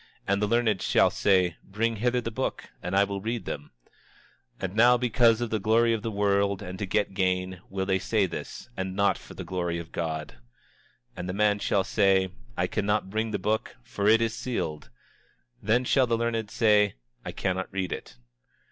And the learned shall say: Bring hither the book, and I will read them. 27:16 And now, because of the glory of the world and to get gain will they say this, and not for the glory of God. 27:17 And the man shall say: I cannot bring the book, for it is sealed. 27:18 Then shall the learned say: I cannot read it.